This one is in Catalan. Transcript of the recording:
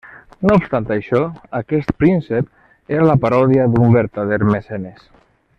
No obstant això, aquest príncep era la paròdia d'un vertader mecenes.